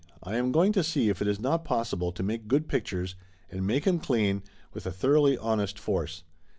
"I am going to see if it is not possible to make good pictures, and make 'em clean, with a thoroughly honest force.